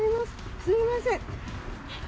すみません。